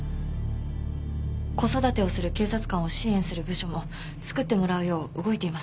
子育てをする警察官を支援する部署もつくってもらうよう動いています。